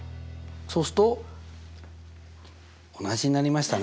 そうすると同じになりましたね。